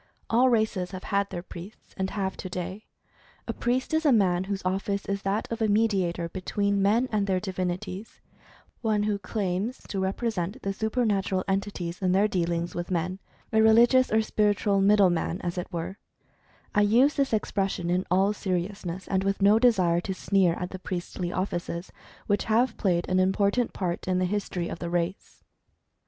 All races have had their priests, and have to day. A priest is a man whose office is that of a medi ator between men and their divinities — one who claims to represent the supernatural entities in their dealings with men — a religious, or spiritual "middle man," as it were (I use this expression in all seriousness, and with no desire to sneer at the priestly offices, which have played an important part in the history of the race).